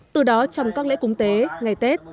từ đó trong các lễ cúng tế ngày tết